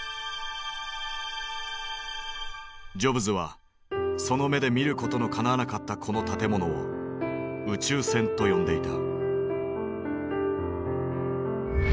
ジョブズはその目で見ることのかなわなかったこの建物を「宇宙船」と呼んでいた。